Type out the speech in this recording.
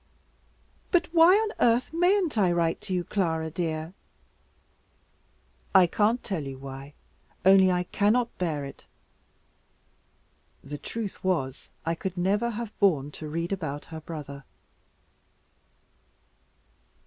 "But why on earth mayn't I write to you, Clara dear?" "I can't tell you why. Only I cannot bear it." The truth was I could never have borne to read about her brother.